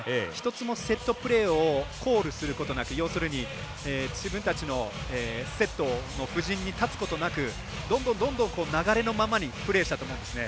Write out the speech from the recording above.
１つもセットプレーをコールすることなく要するに、自分たちのセットの布陣に立つことなくどんどん、流れのままにプレーしたと思うんですね。